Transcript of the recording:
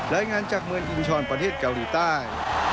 รายงานจากเมืองอินชรประเทศเกาหลีใต้